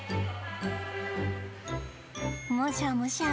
むしゃむしゃ。